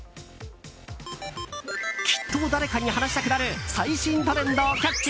きっと誰かに話したくなる最新トレンドをキャッチ。